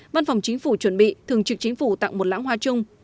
văn phòng chính phủ chuẩn bị thường trực chính phủ tặng một lãng hoa chung